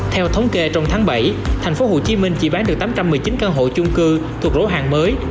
theo thống kê trong tháng bảy thành phố hồ chí minh chỉ bán được tám trăm một mươi chín căn hộ chung cư thuộc lỗ hàng mới